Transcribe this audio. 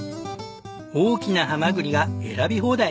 大きなハマグリが選び放題！